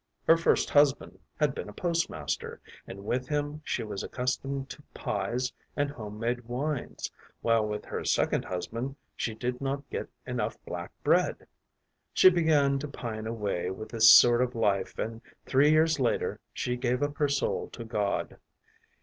“Her first husband had been a postmaster, and with him she was accustomed to pies and home made wines, while with her second husband she did not get enough black bread; she began to pine away with this sort of life, and three years later she gave up her soul to God.